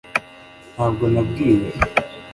ntabwo nabwiwe